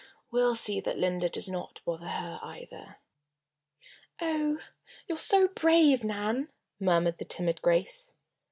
"We'll see that Linda does not bother her, either." "Oh! you're so brave, Nan," murmured the timid Grace.